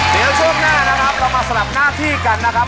เดี๋ยวช่วงหน้านะครับเรามาสลับหน้าที่กันนะครับ